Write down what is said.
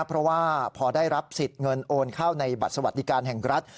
เพราะว่าพอได้รับสิทธิ์เงินโอนเข้าในบัตรสวัสดิการแห่งรัฐ